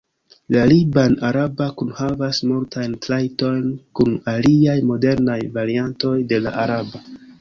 La liban-araba kunhavas multajn trajtojn kun aliaj modernaj variantoj de la araba.